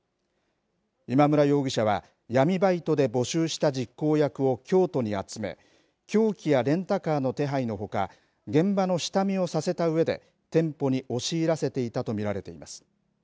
今村容疑者は闇バイトで募集した実行役を京都に集め凶器やレンタカーの手配のほか現場の下見をさせたうえで店舗に押し入らせていたと見られています。